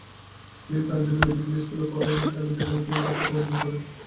তিনি তানজোরের মেডিকেল স্কুলে পড়েন, যেখানে তিনি দক্ষতাও অর্জন করেন।